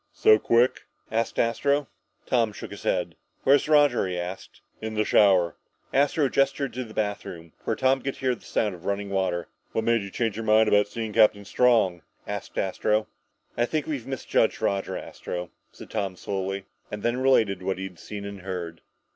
"So quick?" asked Astro. Tom shook his head. "Where's Roger?" he asked. "In the shower." Astro gestured to the bathroom, where Tom could hear the sound of running water. "What made you change your mind about seeing Captain Strong?" asked Astro. "I think we've misjudged Roger, Astro," said Tom slowly. And then related what he had seen and heard.